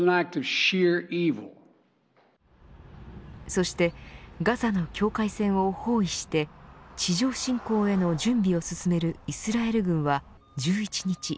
そしてガザの境界線を包囲して地上侵攻への準備を進めるイスラエル軍は１１日。